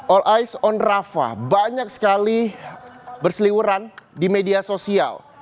all ice on rafa banyak sekali berseliweran di media sosial